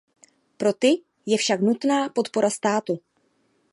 Pro ty je však nutná podpora státu.